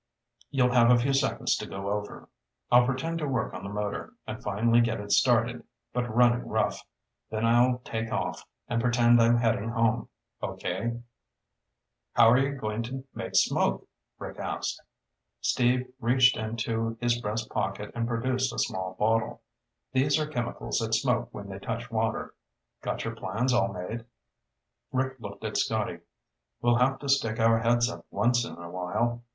You'll have a few seconds to go over. I'll pretend to work on the motor, and finally get it started, but running rough. Then I'll take off and pretend I'm heading home. Okay?" "How are you going to make smoke?" Rick asked. Steve reached into his breast pocket and produced a small bottle. "These are chemicals that smoke when they touch water. Got your plans all made?" Rick looked at Scotty. "We'll have to stick our heads up once in a while.